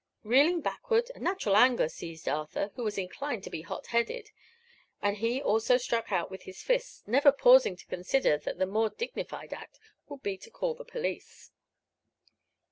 Reeling backward, a natural anger seized Arthur, who was inclined to be hot headed, and he also struck out with his fists, never pausing to consider that the more dignified act would be to call the police.